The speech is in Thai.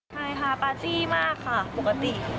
ใช่ค่ะปาจี้มากค่ะปกติ